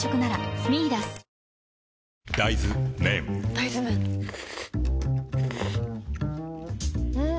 大豆麺ん？